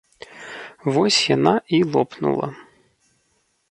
Вось яна і лопнула.